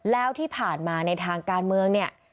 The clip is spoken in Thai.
แล้วที่ผ่านมาในทางการเมืองเนี่ย